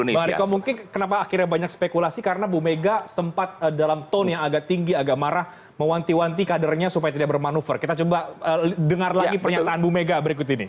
bang riko mungkin kenapa akhirnya banyak spekulasi karena bu mega sempat dalam tone yang agak tinggi agak marah mewanti wanti kadernya supaya tidak bermanuver kita coba dengar lagi pernyataan bu mega berikut ini